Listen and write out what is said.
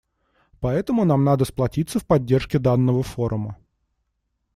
Поэтому нам надо сплотиться в поддержке данного форума.